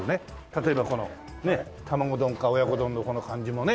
例えばこの卵丼か親子丼のこの感じもね